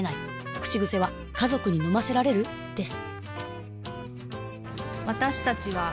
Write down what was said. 口癖は「家族に飲ませられる？」です